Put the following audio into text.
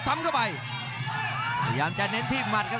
ซ้ำเข้าไปพยายามจะเน้นที่หมัดครับ